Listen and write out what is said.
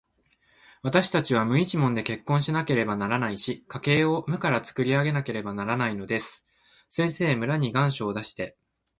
わたしたちは無一文で結婚しなければならないし、家計を無からつくり上げなければならないのです。先生、村に願書を出して、